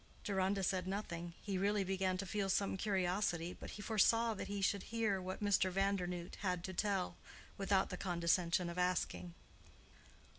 Deronda said nothing. He really began to feel some curiosity, but he foresaw that he should hear what Mr. Vandernoodt had to tell, without the condescension of asking.